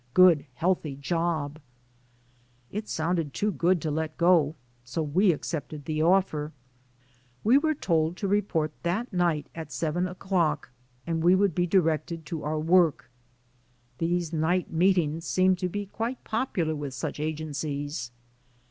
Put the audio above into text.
Good, healthy job." It sounded too good to let go, so we accepted the offer. We were told to report that night at seven o'clock and we would be directed to our work. These night meetings seem to be quite popular with such agencies